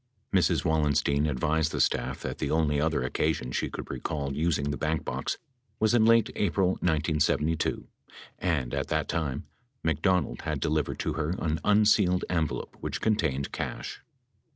Mrs. Wallenstein advised the staff that the only other occasion she could recall using the bank box was in late April 1972 and at that time McDonald had delivered to her an unsealed envelope which contained cash.